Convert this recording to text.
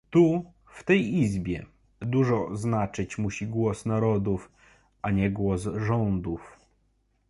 tu, w tej Izbie, dużo znaczyć musi głos narodów, a nie głos rządów